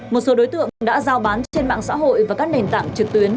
một số đối tượng đã giao bán trên mạng xã hội và các nền tảng trực tuyến